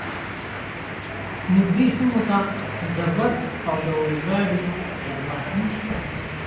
نږدې سیمو ته د بس او اورګاډي خدمات نشته